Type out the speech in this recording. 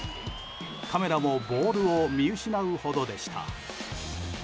カメラもボールを見失うほどでした。